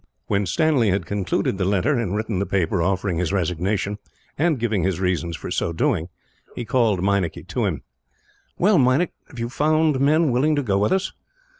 When Stanley had concluded the letter, and written the paper offering his resignation, and giving his reasons for so doing, he called Meinik to him. "Well, Meinik, have you found men willing to go with us?"